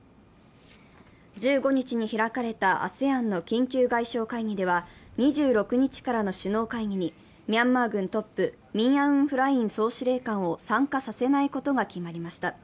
１５日に開かれたＡＳＥＡＮの緊急外相会議では、２６日からの首脳会議にミャンマー軍トップ、ミン・アウン・フライン総司令官を参加させないことが決まりました。